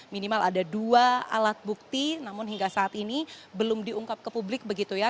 minimal ada dua alat bukti namun hingga saat ini belum diungkap ke publik begitu ya